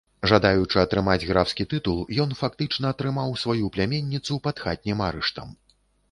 Жадаючы атрымаць графскі тытул, ён фактычна трымаў сваю пляменніцу пад хатнім арыштам.